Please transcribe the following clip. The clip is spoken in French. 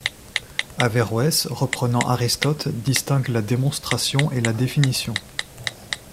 Averroès, reprenant Aristote, distingue la démonstration et la définition.